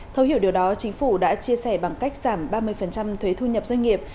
thấu hiểu điều đó chính phủ đã chia sẻ bằng cách giảm ba mươi thuế thu nhập doanh nghiệp